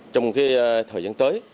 trong thời gian tới